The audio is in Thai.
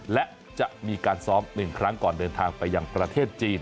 และจะมีการซ้อม๑ครั้งก่อนเดินทางไปยังประเทศจีน